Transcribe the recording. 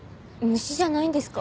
虫じゃないんですか？